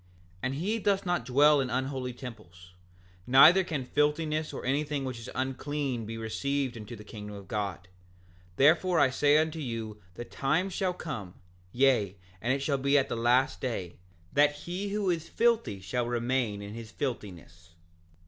7:21 And he doth not dwell in unholy temples; neither can filthiness or anything which is unclean be received into the kingdom of God; therefore I say unto you the time shall come, yea, and it shall be at the last day, that he who is filthy shall remain in his filthiness.